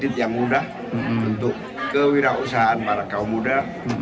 kredit yang mudah untuk kewirausahaan para kaum muda